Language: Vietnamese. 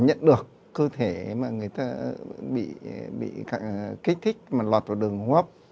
nhận được cơ thể mà người ta bị kích thích mà lọt vào đường hấp